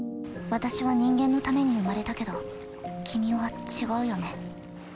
私は人間のために生まれたけど君は違うよね。